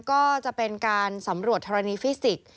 ก็จะเป็นการสำรวจธรณีฟิสิกส์